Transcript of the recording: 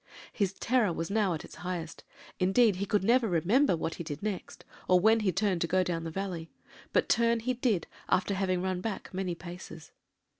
"His terror was now at its highest; indeed he could never remember what he did next, or when he turned to go down the valley; but turn he did, after having run back many paces.